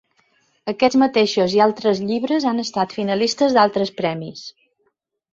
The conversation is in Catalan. Aquests mateixos i altres llibres han estat finalistes d'altres premis.